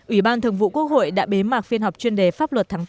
ủy ban thường vụ quốc hội đã bế mạc phiên họp chuyên đề pháp luật tháng bốn